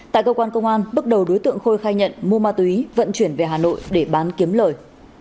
tại cơ quan công an bước đầu đối tượng khôi khai nhận mua ma túy vận chuyển về hà nội để bán kiếm lời